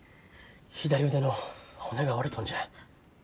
左腕の骨が折れとんじゃ。